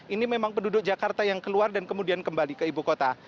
ini memang penduduk jakarta yang keluar dan kemudian kembali ke ibu kota